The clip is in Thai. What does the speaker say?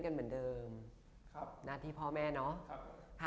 กล้าแสดงออกเขาจะได้แม่เขา